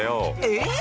えっ！